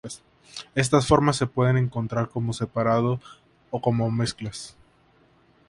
Estas formas se pueden encontrar por separado o como mezclas.